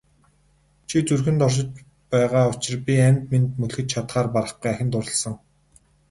Чи зүрхэнд оршиж байгаа учир би амьд мэнд мөлхөж чадахаар барахгүй ахин дурласан.